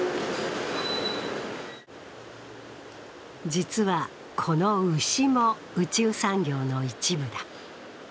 実はこの牛も宇宙産業の一部だ。